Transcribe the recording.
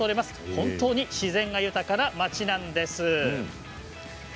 本当に自然が豊かな町なんです。